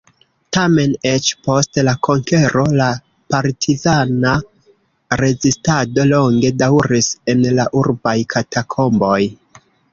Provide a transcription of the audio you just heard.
Tamen, eĉ post la konkero la partizana rezistado longe daŭris en la urbaj katakomboj.